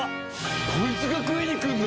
こいつが食いに来るの？